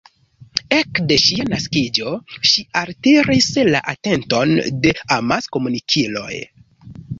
Ekde ŝia naskiĝo ŝi altiris la atenton de amaskomunikiloj.